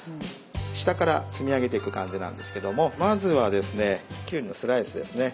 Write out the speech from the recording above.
下から積み上げてく感じなんですけどもまずはですねきゅうりのスライスですね。